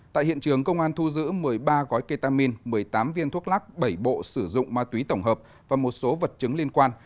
tại hiện trường công an thu giữ một mươi ba gói ketamin một mươi tám viên thuốc lắc bảy bộ sử dụng ma túy tổng hợp và một số vật chứng liên quan